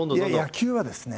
野球はですね